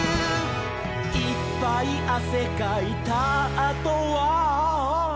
「いっぱいあせかいたあとは」